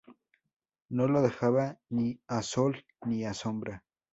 No lo dejaba ni a sol ni a sombra